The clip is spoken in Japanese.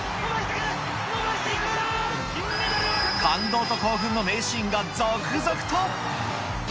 感動と興奮の名シーンが続々と。